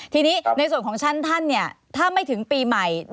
ทีนี้ในส่วนของชั้นท่านเนี่ยถ้าไม่ถึงปีใหม่